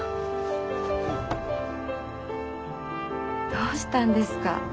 どうしたんですか？